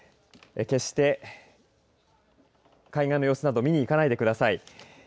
決して海岸の様子など見に行かないでください。